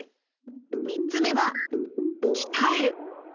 ３つ目は鍛える。